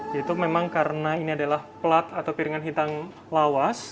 yaitu memang karena ini adalah plat atau piringan hitam lawas